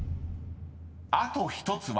［あと１つは？］